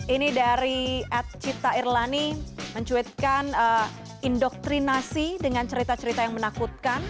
ini dari ad cipta irlani mencuitkan indoktrinasi dengan cerita cerita yang menakutkan